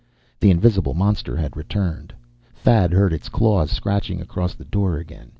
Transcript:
The invisible monster had returned. Thad heard its claws scratching across the door again.